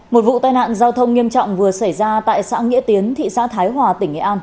một vụ tai nạn giao thông nghiêm trọng vừa xảy ra tại xã nghĩa tiến thị xã thái hòa tỉnh nghệ an